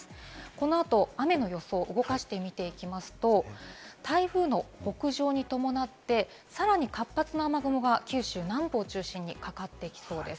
このあと雨の予想、動かして見ていきますと、台風の北上に伴って、さらに活発な雨雲が九州南部を中心にかかっていきそうです。